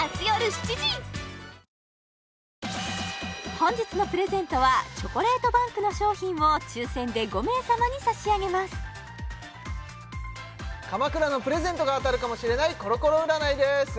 本日のプレゼントはＣＨＯＣＯＬＡＴＥＢＡＮＫの商品を抽選で５名様に差し上げます鎌倉のプレゼントが当たるかもしれないコロコロ占いです